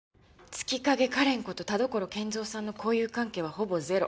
月影カレンこと田所健三さんの交友関係はほぼゼロ。